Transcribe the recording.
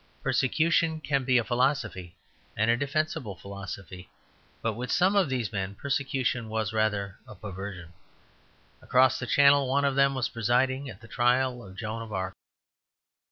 Persecution can be a philosophy, and a defensible philosophy, but with some of these men persecution was rather a perversion. Across the channel, one of them was presiding at the trial of Joan of Arc.